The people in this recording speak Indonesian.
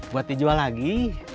buat dijual lagi